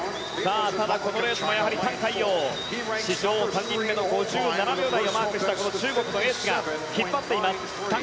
ただ、このレースもやはりタン・カイヨウ史上３人目の５７秒台をマークしたこの中国のエースが引っ張っています。